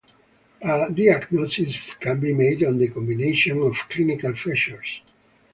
A diagnosis can be made on the combination of clinical features.